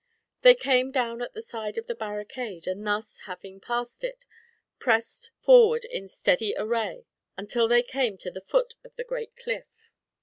They came down at the side of the barricade, and thus having passed it, pressed forward in steady array until they came to the foot of the great cliff.